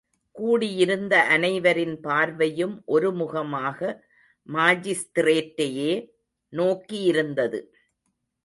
கூடியிருந்த அனைவரின் பார்வையும் ஒரு முகமாக மாஜிஸ்திரேட்டையே நோக்கியிருந்தது.